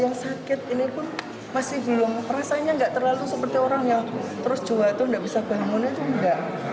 yang sakit ini pun masih belum rasanya nggak terlalu seperti orang yang terus jawa itu nggak bisa bangun itu enggak